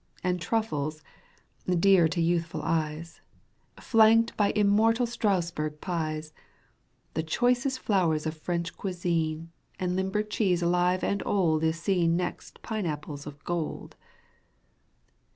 And truffles, dear to youthful eyes^ Flanked by immortal Strasbourg pies, The choicest flowers of French cuisine, And limburg cheese alive and old Is seen next pine apples of gold.